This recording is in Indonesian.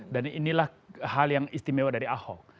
dan inilah hal yang istimewa dari ahok